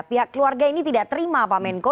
pihak keluarga ini tidak terima pak menko